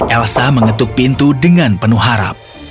elsa mengetuk pintu dengan penuh harap